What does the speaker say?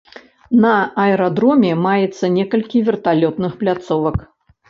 На аэрадроме маецца некалькі верталётных пляцовак.